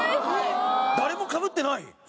誰もかぶってない！